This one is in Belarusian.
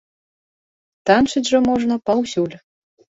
Танчыць жа можна паўсюль.